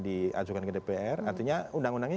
diajukan ke dpr artinya undang undangnya